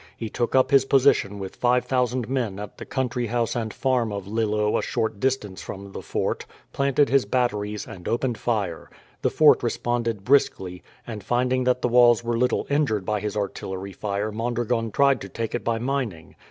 He took up his position with 5000 men at the country house and farm of Lillo a short distance from the fort, planted his batteries and opened fire. The fort responded briskly, and finding that the walls were little injured by his artillery fire Mondragon tried to take it by mining.